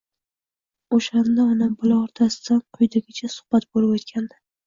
O`shanda ona-bola o`rtasida qo`yidagicha suhbat bo`lib o`tgandi